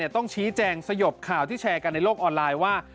ต้องชี้แจงสยบข่าวที่แชร์กันในโลกออนไลน์ว่า